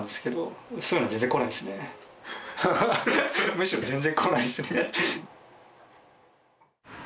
むしろ全然来ないっすね。